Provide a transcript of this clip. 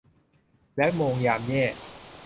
แล้วโมงยามแย่